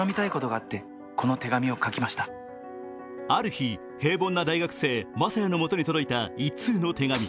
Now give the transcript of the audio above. ある日、平凡な大学生・雅也のもとに届いた一通の手紙。